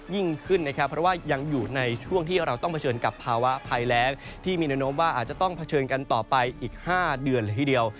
ยิ่งขึ้นนะครับเพราะว่ายังอยู่ในช่วงที่เราต้องเผชิญกับภาวะภัยแรงที่มีแนวโน้มว่าอาจจะต้องเผชิญกันต่อไปอีก๕เดือนละทีเดียว